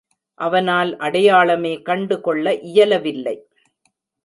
அவனால் அடையாளமே கண்டு கொள்ள இயலவில்லை.